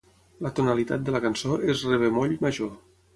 La tonalitat de la cançó és Re bemoll major.